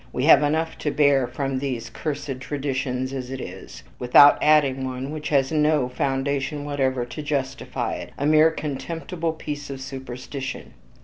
We have enough to bear from these cursed traditions as it is, without adding one which has no foundation whatever to justify it a mere contemptible piece of superstition."